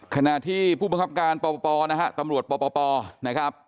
ขณะที่ผู้บังคับการปปนะฮะตำรวจปปนะครับ